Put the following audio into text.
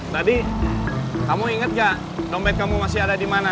tadi kamu ingat nggak dompet kamu masih ada di mana